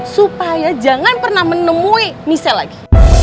supaya jangan pernah menemui misal lagi